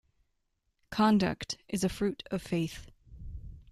Conduct is a fruit of faith.